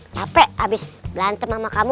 capek abis belantem sama kamu